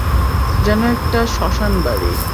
যেন এটা একটা শ্মশান বাড়ী!